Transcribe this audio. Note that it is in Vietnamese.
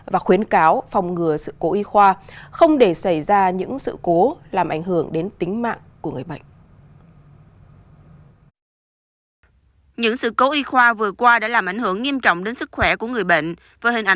và khuyến cáo phòng ngừa sự cố y khoa không để xảy ra những sự cố làm ảnh hưởng đến tính mạng của người bệnh